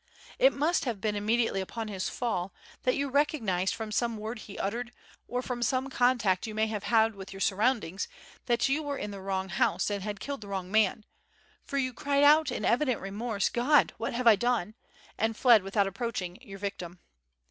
It must have been immediately upon his fall that you recognized from some word he uttered, or from some contact you may have had with your surroundings, that you were in the wrong house and had killed the wrong man; for you cried out, in evident remorse, 'God! what have I done!' and fled without approaching your victim.